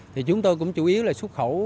thì chúng tôi cũng chủ yếu là xuất khẩu